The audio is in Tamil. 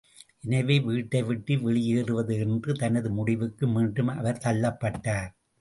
எனவே, வீட்டை விட்டு வெளியேறுவது என்ற தனது முடிவுக்கு மீண்டும் அவர் தள்ளப்பட்டார்.